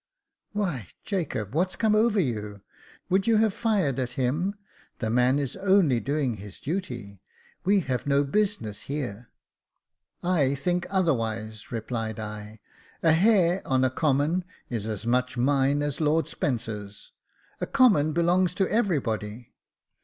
"Why, Jacob, what's come over you? Would you have fired at him ? The man is only doing his duty — we have no business here." Jacob Faithful 173 " I think otherwise," replied I. " A hare on a common is as much mine as Lord Spencer's. A common belongs to everybody."